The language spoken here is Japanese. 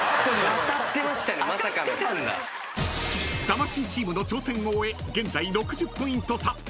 ［魂チームの挑戦を終え現在６０ポイント差］